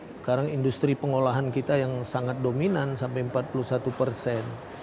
sekarang industri pengolahan kita yang sangat dominan sampai empat puluh satu persen